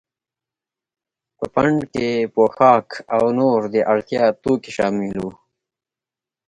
په پنډکي کې پوښاک او نور د اړتیا توکي شامل وو.